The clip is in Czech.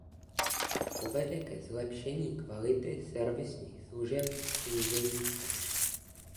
To povede ke zlepšení kvality servisních služeb a snížení cen.